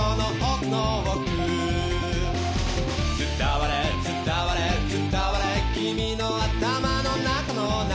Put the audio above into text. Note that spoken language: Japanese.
「伝われ伝われ伝われ君の頭の中の中」